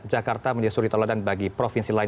jakarta menjadi suri tauladan bagi provinsi lain